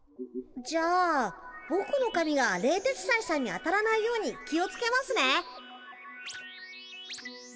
じゃあぼくのかみが冷徹斎さんに当たらないように気をつけますね。